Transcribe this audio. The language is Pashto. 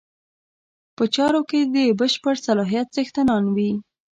په چارو کې د بشپړ صلاحیت څښتنان وي.